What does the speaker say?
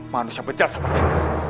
manusia berjasa berjaya